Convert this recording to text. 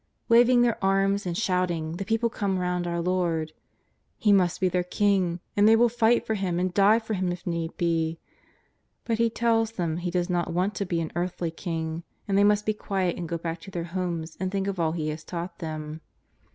Waving their arms and shouting, the people come round our Lord. He must be their King, and they will fight for Him and die for Him if need be. But He tells them He does not want to be an earthly King, and they must be quiet and go back to their homes and think of all He has taught them.